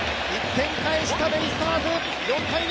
１点返したベイスターズ、４−２。